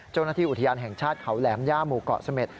เจ้าหน้าที่อุทยานแห่งชาติเขาแหลมย่าหมู่เกาะเสม็ด